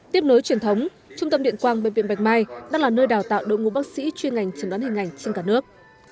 tiếp nối truyền thống trung tâm điện quang bệnh viện bạch mai đang là nơi đào tạo đội ngũ bác sĩ chuyên ngành chuẩn đoán hình ảnh trên cả nước